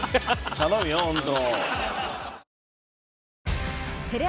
頼むよ本当。